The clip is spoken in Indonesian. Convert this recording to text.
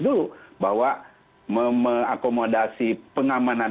dulu bahwa mengakomodasi pengamanan dan kesehatan